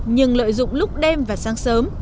nhưng lợi dụng lúc đêm và sáng sớm